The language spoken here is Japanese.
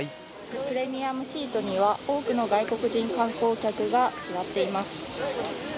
プレミアムシートには多くの外国人観光客が座っています。